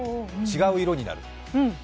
違う色になる？